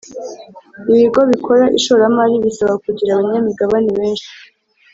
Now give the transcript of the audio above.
ibigo bikora ishoramari bisaba kugira abanyamigabane benshi